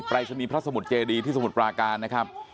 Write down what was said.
รายศนีย์พระสมุทรเจดีที่สมุทรปราการนะครับ